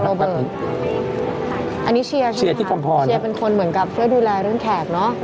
โรเบิร์ดอันนี้เชียร์เป็นคนเหมือนกับเชื่อดูแลเรื่องแขกเนาะ